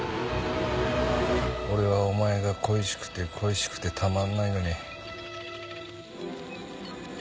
俺はお前が恋しくて恋しくてたまんないのに。